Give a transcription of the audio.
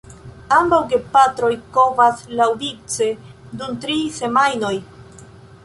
Ambaŭ gepatroj kovas laŭvice dum tri semajnoj.